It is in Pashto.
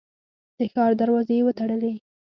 د ښار دروازې یې وتړلې.